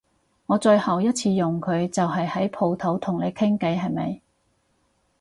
我最後一次用佢就係喺舖頭同你傾偈係咪？